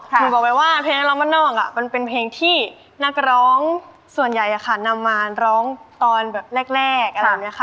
หนูบอกไปว่าเพลงนักร้องบ้านนอกมันเป็นเพลงที่นักร้องส่วนใหญ่นำมาร้องตอนแรก